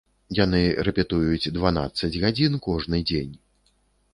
Яны рэпетуюць дванаццаць гадзін кожны дзень.